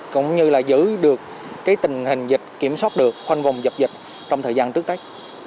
cũng như là giữ được cái tình hình dịch kiểm soát được khoanh vòng dập dịch trong thời gian trước đấy